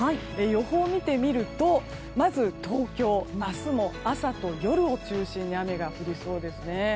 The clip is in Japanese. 予報を見てみると東京は明日も、朝と夜を中心に雨が降りそうですね。